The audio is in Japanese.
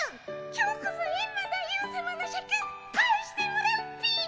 今日こそエンマ大王さまのシャク返してもらうっピィ！